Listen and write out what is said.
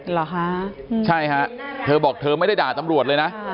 เหรอคะใช่ฮะเธอบอกเธอไม่ได้ด่าตำรวจเลยนะ